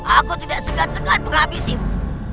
aku tidak segan segan menghabisimu